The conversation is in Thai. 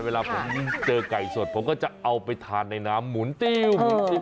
เวลาผมเจอไก่สดผมก็จะเอาไปทานในน้ำหมุนติ้ว